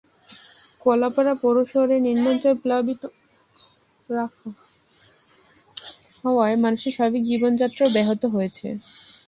কলাপাড়া পৌর শহরের নিম্নাঞ্চল প্লাবিত হওয়ায় মানুষের স্বাভাবিক জীবনযাত্রাও ব্যাহত হয়েছে।